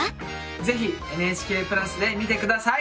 ぜひＮＨＫプラスで見て下さい！